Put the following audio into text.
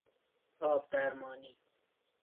آب درمانی